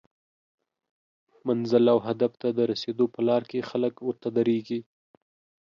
منزل او هدف ته د رسیدو په لار کې خلک ورته دریږي